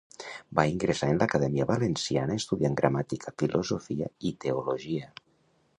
Va ingressar en l'Acadèmia Valenciana estudiant gramàtica, filosofia i teologia.